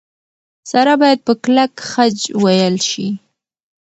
سره باید په کلک خج وېل شي.